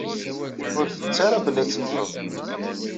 Ur tettu ara belli ad temmteḍ.